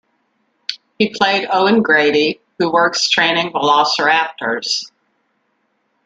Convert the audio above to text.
He played Owen Grady, who works training velociraptors.